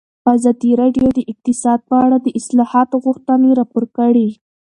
ازادي راډیو د اقتصاد په اړه د اصلاحاتو غوښتنې راپور کړې.